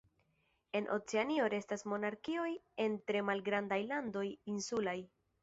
En Oceanio restas monarkioj en tre malgrandaj landoj insulaj.